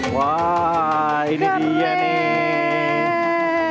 wah ini dia nih